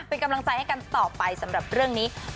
เป็นกำลังใจให้กันต่อไปสำหรับเรื่องนี้